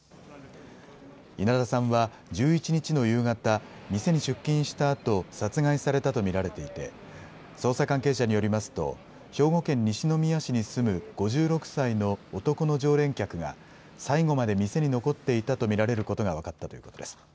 稲田さんは１１日の夕方、店に出勤したあと、殺害されたと見られていて、捜査関係者によりますと、兵庫県西宮市に住む５６歳の男の常連客が、最後まで店に残っていたと見られることが分かったということです。